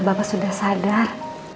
bapak sudah sadar